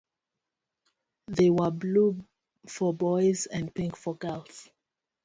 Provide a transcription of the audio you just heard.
They were blue for boys and pink for girls.